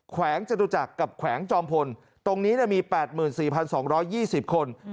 แขวงเจตุจักรกับแขวงจอมพลตรงนี้เนี่ยมีแปดหมื่นสี่พันสองร้อยยี่สิบคน